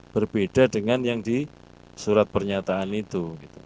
berbeda dengan yang di surat pernyataan itu